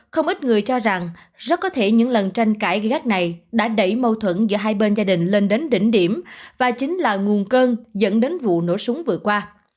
không ít người cho rằng rất có thể những lần tranh cãi gai gắt này đã đẩy mâu thuẫn giữa hai bên gia đình lên đến đỉnh điểm và chính là nguồn cơn dẫn đến vụ nổ súng vừa qua